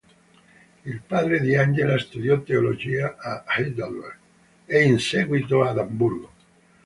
Il padre di Angela studiò Teologia a Heidelberg e, in seguito, ad Amburgo.